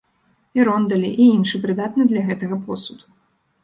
І рондалі, і іншы прыдатны для гэтага посуд.